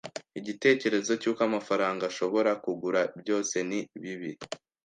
Igitekerezo cy'uko amafaranga ashobora kugura byose ni bibi.